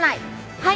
はい！